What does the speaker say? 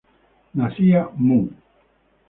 Nacía Mu.